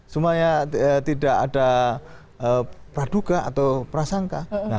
supaya tidak ada praduga atau prasangka